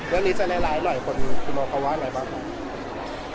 แล้วนี้แซร์ไลน์หน่อยคนที่มองเขาว่าอะไรบ้าง